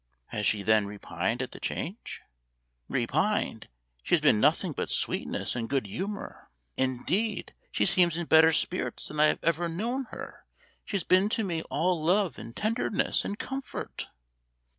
Has she then repined at the change? "Repined! she has been nothing but sweetness and good humor. Indeed, she seems in better spirits than I have ever known her; she has been to me all love, and tenderness, and comfort!"